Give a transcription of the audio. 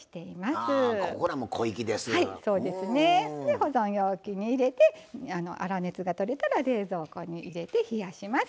保存容器に入れて粗熱が取れたら冷蔵庫に入れて冷やします。